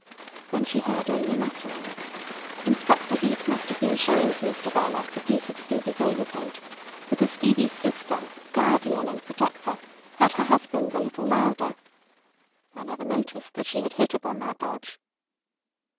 Then she heard only muttering. Inspector Heat must have been showing to Mr Verloc the piece of Stevie's overcoat, because Stevie's sister, guardian, and protector heard her husband a little louder. "I never noticed that she had hit upon that dodge."